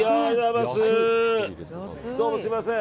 どうもすみません。